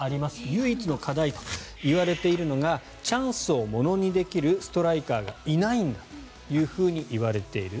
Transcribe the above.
唯一の課題と言われているのがチャンスをものにできるストライカーがいないんだといわれている。